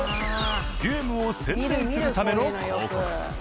ゲームを宣伝するための広告。